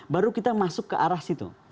baru kita masuk ke arah situ